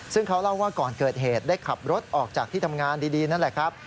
ซึ่งเขาเล่าว่าก่อนเกิดเหตุได้ขับรถออกจากที่ทำงานดีนั่นแหละครับ